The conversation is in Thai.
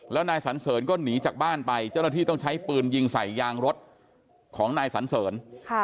แล้วนายสันเสริญก็หนีจากบ้านไปเจ้าหน้าที่ต้องใช้ปืนยิงใส่ยางรถของนายสันเสริญ